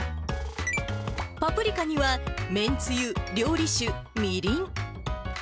パプリカにはめんつゆ、料理酒、みりん。